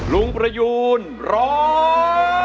ลุงประยูนร้อง